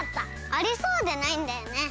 ありそうでないんだよね。